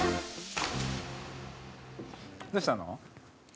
どうしたの？